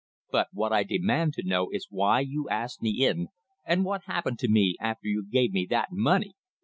But what I demand to know is why you asked me in, and what happened to me after you gave me that money?"